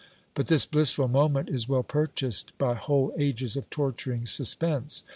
But this blissful moment is well purchased by whole ages of torturing sus pense!